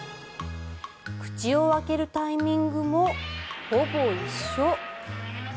口を開けるタイミングもほぼ一緒。